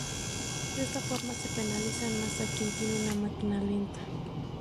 De esta forma se penaliza más a quien tiene una máquina lenta.